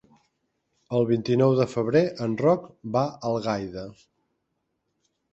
El vint-i-nou de febrer en Roc va a Algaida.